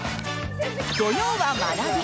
土曜は、学び。